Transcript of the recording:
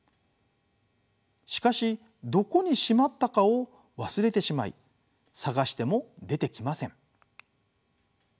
しかしどこにしまったかを忘れてしまい探しても出てきません。